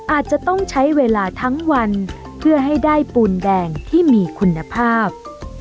อาจจะต้องใช้เวลาทั้งวันเพื่อให้ได้ปูนแดงที่มีคุณภาพ